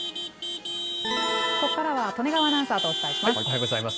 ここからは利根川アナウンサーとお伝えします。